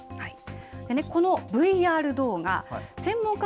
このＶＲ動画、専門家